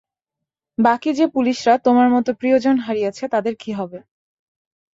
বাকি যে পুলিশরা তোমার মতো প্রিয়জন হারিয়েছে তাদের কী হবে?